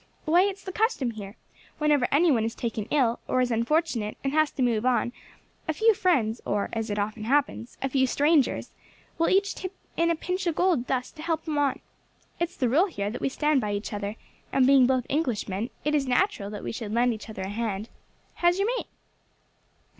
Why, it's the custom here, whenever any one is taken ill, or is unfortunate, and has to move on, a few friends, or, as it often happens, a few strangers, will each chip in a pinch of gold dust to help him on. It's the rule here that we stand by each other, and being both Englishmen, it is natural we should lend each other a hand. How is your mate?"